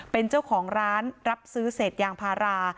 เป็นเจ้าของร้านรับซื้อเศษยางพารา